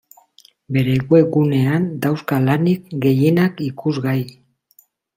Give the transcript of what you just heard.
Bere webgunean dauzka lanik gehienak ikusgai.